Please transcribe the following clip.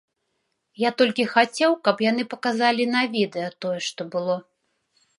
Я толькі хацеў, каб яны паказалі на відэа тое, што было.